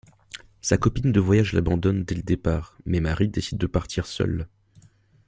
Sa copine de voyage l'abandonne dès le départ mais Marie décide de partir seule.